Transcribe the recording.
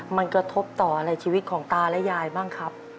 มันกระทบต่ออะไรชีวิตของตาและยายบ้างครับ